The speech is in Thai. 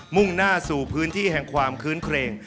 ่งหน้าสู่พื้นที่แห่งความคื้นเครง